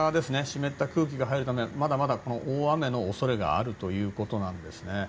湿った空気が入るためまだまだ大雨の恐れがあるということなんですね。